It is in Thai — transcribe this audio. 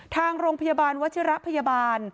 ทางโรงพยาบาลวัชิระพยาบาล